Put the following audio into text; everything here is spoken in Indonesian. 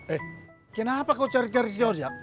eh kenapa kau cari cari si ojak